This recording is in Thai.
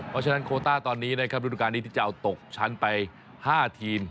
เพราะฉะนั้นโคต้าตอนนี้นะครับฤดูการนี้ที่จะเอาตกชั้นไป๕ทีม